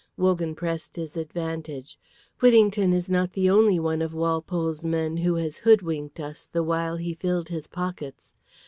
Wogan pressed his advantage. "Whittington is not the only one of Walpole's men who has hoodwinked us the while he filled his pockets.